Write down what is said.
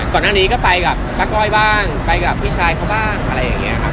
ก่อนหน้านี้ก็ไปกับป้าก้อยบ้างไปกับพี่ชายเขาบ้างอะไรอย่างนี้ครับ